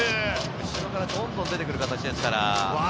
後ろからどんどん出てくる形ですから。